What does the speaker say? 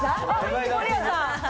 守屋さん。